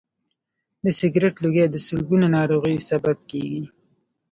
د سګرټ لوګی د سلګونو ناروغیو سبب کېږي.